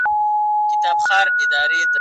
اوس به دي وعظونه د ګرېوان تر تڼۍ تېر نه سي